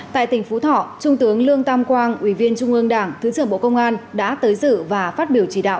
tại tỉnh phú thọ trung tướng lương tam quang ủy viên trung ương đảng thứ trưởng bộ công an đã tới dự và phát biểu chỉ đạo